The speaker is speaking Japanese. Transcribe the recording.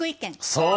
そう